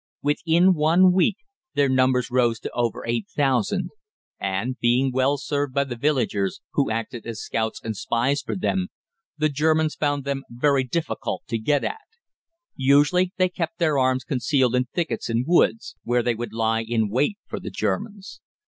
Within one week their numbers rose to over 8,000, and, being well served by the villagers, who acted as scouts and spies for them, the Germans found them very difficult to get at. Usually they kept their arms concealed in thickets and woods, where they would lie in wait for the Germans.